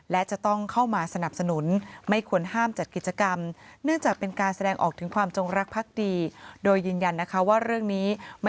และจะต้องเข้ามาสนับสนุนไม่ควรห้ามจัดกิจกรรม